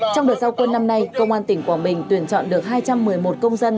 trong đợt giao quân năm nay công an tỉnh quảng bình tuyển chọn được hai trăm một mươi một công dân